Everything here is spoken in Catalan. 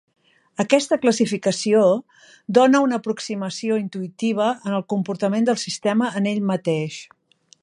Aquesta classificació dóna una aproximació intuïtiva en el comportament del sistema en ell mateix.